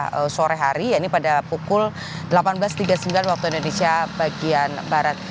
pada sore hari yaitu pada pukul delapan belas tiga puluh sembilan waktu indonesia bagian barat